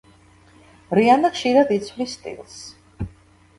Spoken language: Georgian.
რიანა ხშირად იცვლის სტილს.